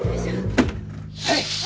はい！